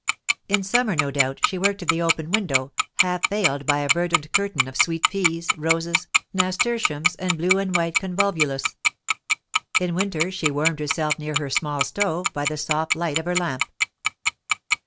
In summer, no doubt, she worked at the open window, half veiled by a verdant curtain of sweet peas, roses, nasturtiums, and blue and white convolvulus. In winter she warmed herself near her small stove, by the soft light of her lamp.